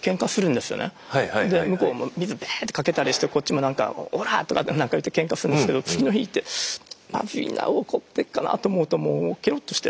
で向こうも水ベーッてかけたりしてこっちもなんかオラーとかなんか言ってケンカするんですけど次の日行ってまずいな怒ってっかなと思うともうケロッとして。